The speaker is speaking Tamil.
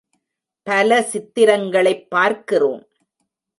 பல சித்திரங்களைப் பார்க்கிறோம்.